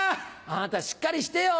あなたしっかりしてよ。